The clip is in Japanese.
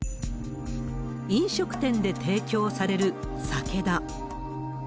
飲食店で提供される酒だ。